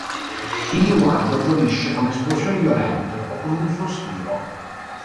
Il linguaggio fiorisce con esplosioni violente o con un sospiro".